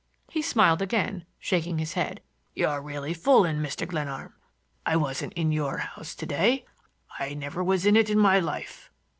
He smiled again, shaking his head. "You're really fooling, Mr. Glenarm. I wasn't in your house to day; I never was in it in my life!"